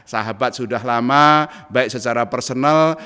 sahabat sudah lama baik secara personal